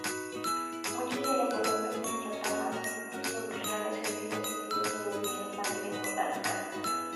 Muchos de los volúmenes trataban sobre raros y antiguos estudios sobre diversas materias botánicas.